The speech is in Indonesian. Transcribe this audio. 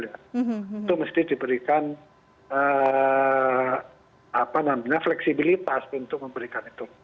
itu mesti diberikan fleksibilitas untuk memberikan itu